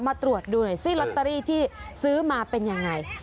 ตรวจดูหน่อยซิลอตเตอรี่ที่ซื้อมาเป็นยังไง